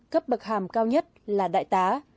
cấp bậc hàm cao nhất là đại tá